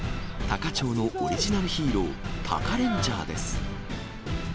多可町のオリジナルヒーロー、タカレンジャーです。